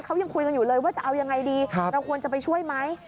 เขายังคุยกันอยู่เลยว่าจะเอายังไงดีเราควรจะไปช่วยไหม